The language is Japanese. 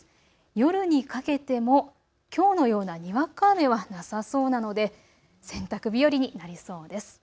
夜にかけてもきょうのようなにわか雨はなさそうなので洗濯日和になりそうです。